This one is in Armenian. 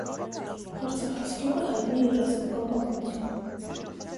Փարցախիս գյուղը հայտնի է իր ռազմական պատմությամբ։